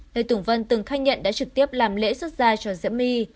lê tùng vân từng khai nhận đã trực tiếp làm lễ xuất ra cho diễm my